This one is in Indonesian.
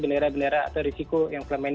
bendera bendera atau resiko yang kelemahin